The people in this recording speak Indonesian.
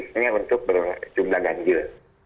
dan revisinya untuk berjumlah ganjil